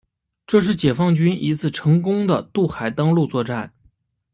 这是解放军一次成功的渡海登陆作战。